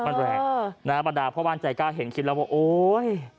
นะฮะประดาษพ่อบ้านใจกล้าเห็นคิดแล้วว่าโอ๊ย